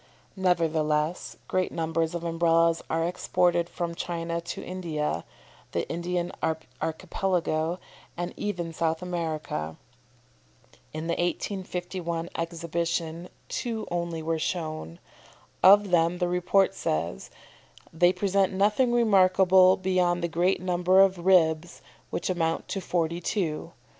Nevertheless great numbers of Umbrellas are exported from China to India, the Indian Archipelago, and even South America. In the 1851 Exhibition two only were shown. Of them the report says, "They present nothing remarkable beyond the great number of ribs, which amount to forty two.